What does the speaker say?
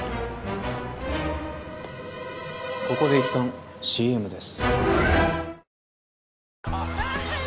ここでいったんＣＭです。